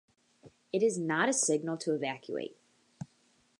It is not a signal to evacuate.